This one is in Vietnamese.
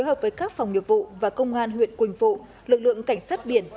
hợp với các phòng nghiệp vụ và công an huyện quỳnh phụ lực lượng cảnh sát biển